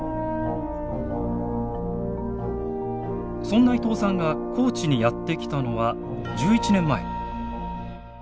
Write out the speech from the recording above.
そんな伊藤さんが高知にやって来たのは１１年前。